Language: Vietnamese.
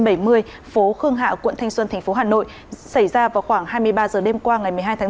phố khương hạ quận thanh xuân tp hà nội xảy ra vào khoảng hai mươi ba h đêm qua ngày một mươi hai tháng chín